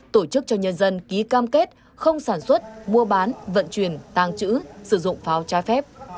tổ chức cho nhân dân ký cam kết không sản xuất mua bán vận chuyển tàng trữ sử dụng pháo trái phép